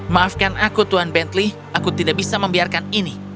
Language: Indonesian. maafkan aku tuhan bentley aku tidak bisa membiarkan ini